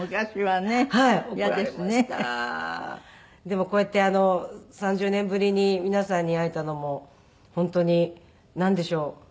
でもこうやって３０年ぶりに皆さんに会えたのも本当になんでしょう？